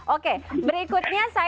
oke berikutnya saya mau kalau mama gini